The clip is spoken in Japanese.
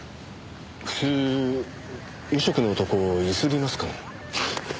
普通無職の男を強請りますかね？